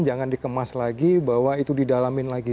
jangan dikemas lagi bahwa itu didalamin lagi